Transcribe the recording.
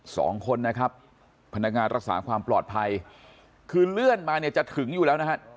สองคนนะครับพนักงานรักษาความปลอดภัยคือเลื่อนมาเนี่ยจะถึงอยู่แล้วนะฮะ